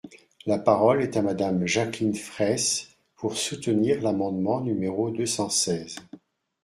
La parole est à Madame Jacqueline Fraysse, pour soutenir l’amendement numéro deux cent seize.